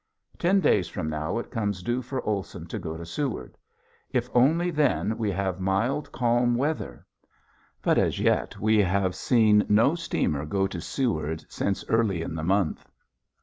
Ten days from now it comes due for Olson to go to Seward. If only then we have mild, calm weather! But as yet we have seen no steamer go to Seward since early in the month.